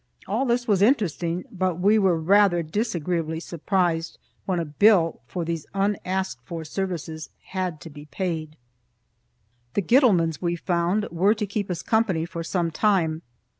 All this was interesting, but we were rather disagreeably surprised when a bill for these unasked for services had to be paid. The Gittlemans, we found, were to keep us company for some time.